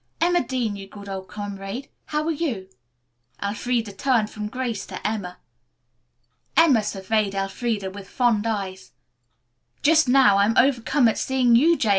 Emma Dean, you good old comrade, how are you?" Elfreda turned from Grace to Emma. Emma surveyed Elfreda with fond eyes. "Just now I'm overcome at seeing you, J.